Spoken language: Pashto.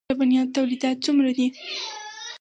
د لبنیاتو تولیدات څومره دي؟